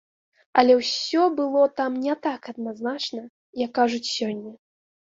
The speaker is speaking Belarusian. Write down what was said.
Але ўсё было там не так адназначна, як кажуць сёння.